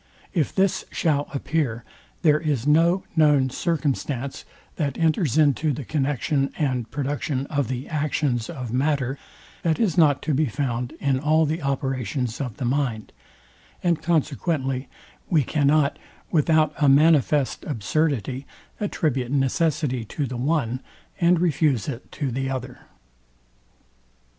If this shall appear, there is no known circumstance, that enters into the connexion and production of the actions of matter, that is not to be found in all the operations of the mind; and consequently we cannot, without a manifest absurdity, attribute necessity to the one, and refuse into the other.